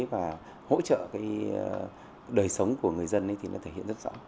và hỗ trợ cái đời sống của người dân thì nó thể hiện rất rõ